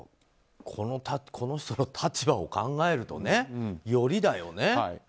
この人の立場を考えるとねよりだよね。